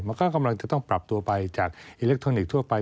กำลังจะต้องปรับตัวไปจากอิเล็กทรอนิกส์ทั่วไป